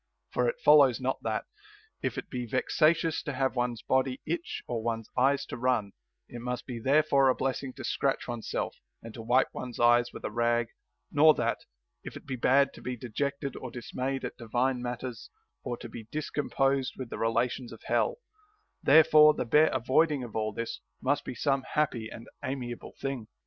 For it follows not that, if it be vexatious to have one's body itch or one's eyes to run, it must be therefore a blessing to scratch one's self, and to wipe one's eye with a rag ; nor that, if it be bad to be dejected or dismayed at divine matters or to be discomposed with the relations of hell, therefore the bare avoiding of all this must be some happy and amiable thing.